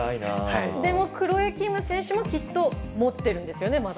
でもクロエ・キム選手もきっともっているんですよね？